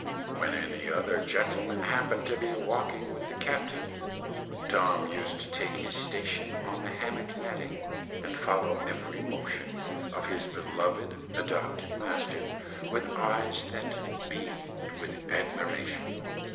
When any other gentleman happened to be walking with the captain, Tom used to take his station on the hammock nettings and follow every motion of his beloved adopted master with eyes that beamed with admiration.